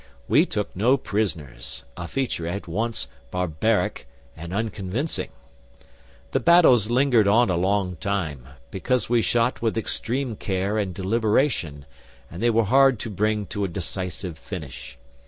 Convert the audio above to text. We took no prisoners a feature at once barbaric and unconvincing. The battles lingered on a long time, because we shot with extreme care and deliberation, and they were hard to bring to a decisive finish.